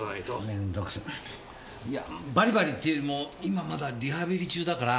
めんどくせバリバリっていうよりも今まだリハビリ中だから。